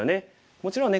もちろんね